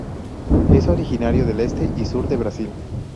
Es originario del este y sur de Brasil.